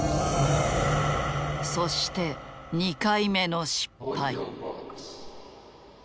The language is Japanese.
そして２回目の失敗。